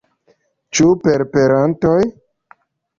Ĉu per perantoj?